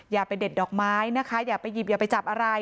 อย่าไปเด็ดดอกไม้นะคะอย่าไปหยิบอย่าไปจับอะไร